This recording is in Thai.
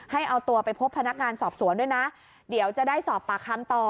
ให้เอาตัวไปพบพนักงานสอบสวนด้วยนะเดี๋ยวจะได้สอบปากคำต่อ